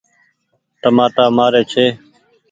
چمآٽآ مآري ڇي۔